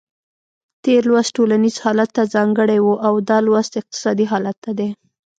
تېر لوست ټولنیز حالت ته ځانګړی و او دا لوست اقتصادي حالت ته دی.